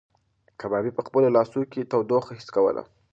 کبابي په خپلو لاسو کې تودوخه حس کوله.